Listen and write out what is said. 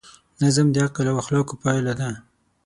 نظم د عقل او اخلاقو پایله ده.